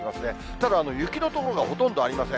ただ雪の所がほとんどありません。